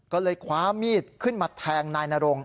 ก็เลยคว้ามีดขึ้นมาแทงนายนรง